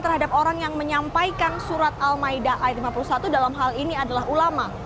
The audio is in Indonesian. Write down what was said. terhadap orang yang menyampaikan surat al maida ayat lima puluh satu dalam hal ini adalah ulama